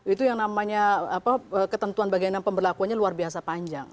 itu yang namanya ketentuan bagian dalam pemberlakuannya luar biasa panjang